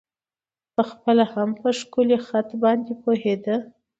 په خپله هم په ښکلی خط باندې پوهېده.